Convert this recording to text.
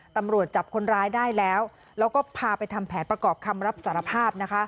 ตำรวจจับคนร้ายได้แล้วแล้วก็พาไปทำแผนประกอบคำรับสารภาพนะคะ